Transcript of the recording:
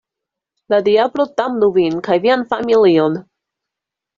La diablo damnu vin kaj vian familion!